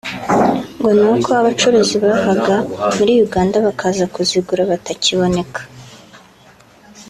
ngo ni uko abacuruzi bavaga muri Uganda bakaza kuzigura batakiboneka